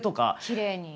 きれいに。